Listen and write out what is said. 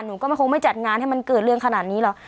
หนูก็ไม่คงไม่จัดงานให้มันเกิดเรื่องขนาดนี้หรอก